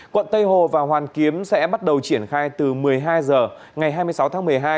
quận tây hồ và hoàn kiếm sẽ bắt đầu triển khai từ một mươi hai h ngày hai mươi sáu tháng một mươi hai